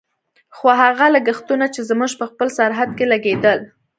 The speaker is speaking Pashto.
خو هغه لګښتونه چې زموږ په خپل سرحد کې لګېدل.